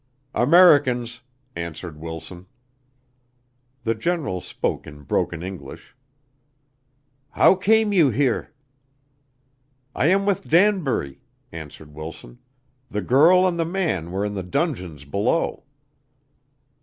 "Americans," answered Wilson. The general spoke in broken English. "How came you here?" "I am with Danbury," answered Wilson. "The girl and the man were in the dungeons below."